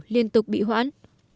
liên tục bị hoãn